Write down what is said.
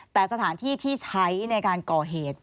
แต่สถานที่ที่ใช้ในการก่อเหตุ